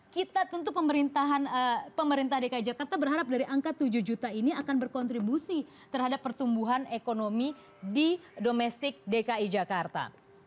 kita tentu pemerintah dki jakarta berharap dari angka tujuh juta ini akan berkontribusi terhadap pertumbuhan ekonomi di domestik dki jakarta